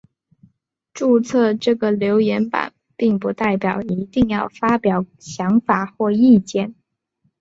注册这个留言版并不代表一定要发表想法或意见。